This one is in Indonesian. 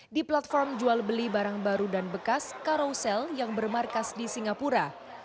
di platform jual beli barang baru dan bekas karosel yang bermarkas di singapura